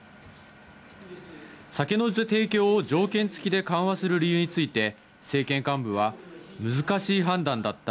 酒の提供を条件付きで緩和する理由について、政権幹部は、難しい判断だった。